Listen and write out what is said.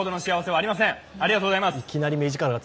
ありがとうございます！